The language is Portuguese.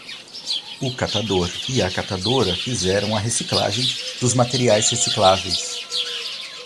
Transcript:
O catador e a catadora fizeram a reciclagem dos materiais recicláveis